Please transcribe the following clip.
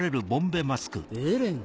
エレン。